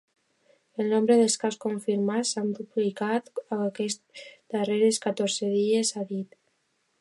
El nombre de casos confirmats s’ha duplicat aquests darrers catorze dies, ha dit.